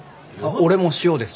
俺も塩です。